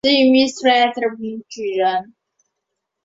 顺天乡试第七名举人。